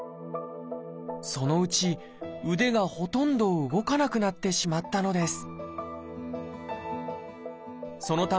そのうち腕がほとんど動かなくなってしまったのです